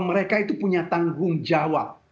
mereka itu punya tanggung jawab